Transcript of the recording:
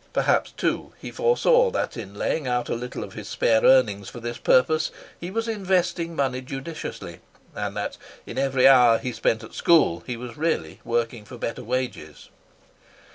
Perhaps, too, he foresaw that, in laying out a little of his spare earnings for this purpose, he was investing money judiciously, and that, in every hour he spent at school, he was really working for better wages.